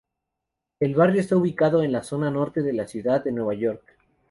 El barrio está ubicado en la zona norte de la ciudad de Nueva York.